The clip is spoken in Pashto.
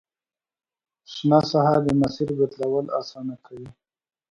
شنه ساحه د مسیر بدلول اسانه کوي